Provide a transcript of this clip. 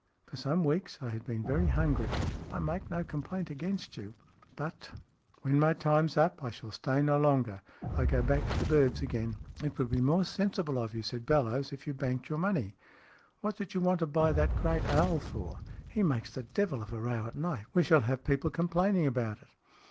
For some weeks I had been very hungry. I make no complaint against you, but SMEATH 25 when my time's up I shall stay no longer. I go back to the birds again." " It would be more sensible of you," said Bellowes, " if you banked your money. What did you want to buy that great owl for ? He makes the devil of a row at night. We shall have people complaining about it."